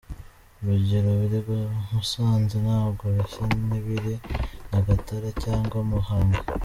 Urugero ibiri Musanze ntabwo bisa n’ibiri Nyagatare cyangwa Muhanga.